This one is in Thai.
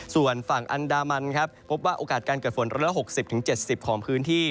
ส่วนฝั่งอันดามันครับพบว่าโอกาสการเกิดฝน๑๖๐๗๐ของพื้นที่